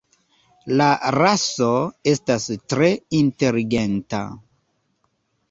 La raso estas tre inteligenta.